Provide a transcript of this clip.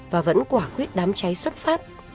và vẫn quả quyết đám cháy xuất phát